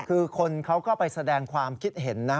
คือคนเขาก็ไปแสดงความคิดเห็นนะ